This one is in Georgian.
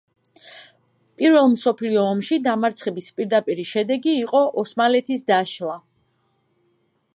პირველ მსოფლიო ომში დამარცხების პირდაპირი შედეგი იყო ოსმალეთის დაშლა.